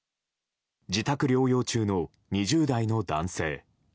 自宅療養中の２０代の男性。